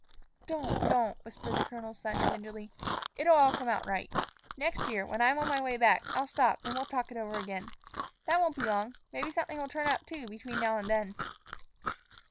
"Don't, don't," whispered the colonel's son, tenderly. "It'll all come out right. Next year, when I'm on my way back, I'll stop, and we'll talk it over again. That won't be long. Maybe something will turn up, too, between now and then."